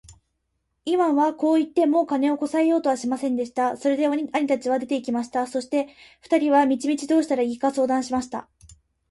イワンはこう言って、もう金をこさえようとはしませんでした。それで兄たちは出て行きました。そして二人は道々どうしたらいいか相談しました。